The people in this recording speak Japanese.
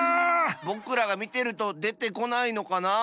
ぼくらがみてるとでてこないのかなあ。